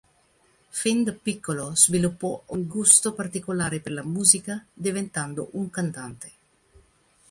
Fin da piccolo sviluppò un gusto particolare per la musica diventando un cantante.